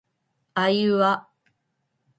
あいうあ